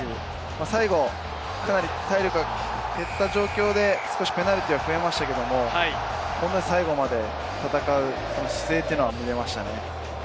最後かなり体力が減った状況でペナルティーは増えましたけれど、最後まで戦う姿勢が見えましたね。